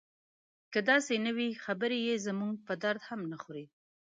که داسې نه وي خبرې یې زموږ په درد هم نه خوري.